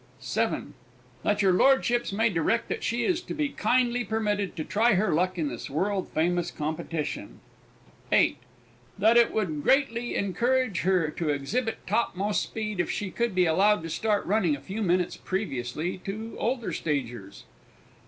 (7.) That your lordships may direct that she is to be kindly permitted to try her luck in this world famous competition. (8.) That it would greatly encourage her to exhibit topmost speed if she could be allowed to start running a few minutes previously to older stagers.